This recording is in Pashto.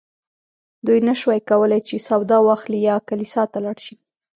دوی نه شوای کولی چې سودا واخلي یا کلیسا ته لاړ شي.